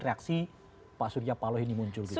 reaksi pak surya paloh ini muncul gitu